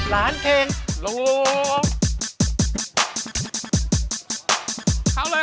ร้านเครงลง